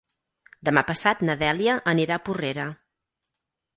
Demà passat na Dèlia anirà a Porrera.